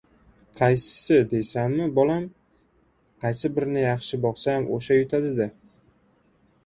– Qaysisi, deysanmi, bolam? Qaysi birini yaxshi boqsam, oʻsha yutadi-da.